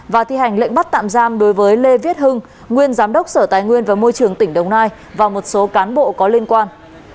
và thi hành lệnh bắt tạm giam đối với lê viết hưng nguyên giám đốc sở tài nguyên và môi trường tỉnh đồng nai và một số cán bộ có liên quan